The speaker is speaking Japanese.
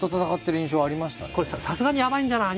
「これさすがにやばいんじゃない？